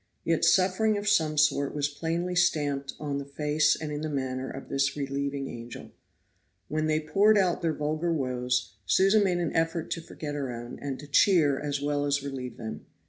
Yet suffering of some sort was plainly stamped on the face and in the manner of this relieving angel. When they poured out their vulgar woes, Susan made an effort to forget her own and to cheer as well as relieve them.